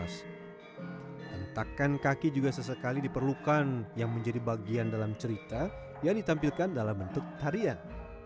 tentakan kaki juga sesekali diperlukan yang menjadi bagian dalam cerita yang ditampilkan dalam bentuk tarian